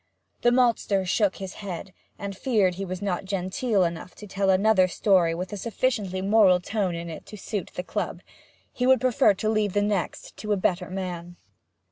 The maltster shook his head, and feared he was not genteel enough to tell another story with a sufficiently moral tone in it to suit the club; he would prefer to leave the next to a better man.